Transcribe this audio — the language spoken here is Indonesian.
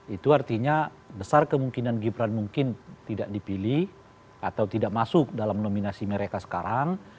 itu artinya besar kemungkinan gibran mungkin tidak dipilih atau tidak masuk dalam nominasi mereka sekarang